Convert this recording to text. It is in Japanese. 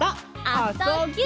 「あ・そ・ぎゅ」